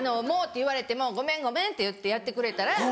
「もう！」って言われても「ごめんごめん」って言ってやってくれたら。